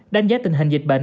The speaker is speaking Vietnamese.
đánh giá tình hình dịch bệnh